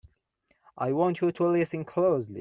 I want you to listen closely!